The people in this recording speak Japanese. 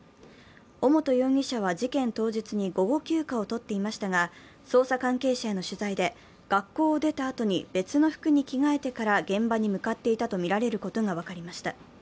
尾本容疑者は事件当日に午後休暇を取っていましたが、捜査関係者への取材で、学校を出たあとに別の服に着替えてから現場に向かっていたとみられることが分かりました。